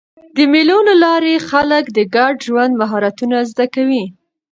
د مېلو له لاري خلک د ګډ ژوند مهارتونه زده کوي.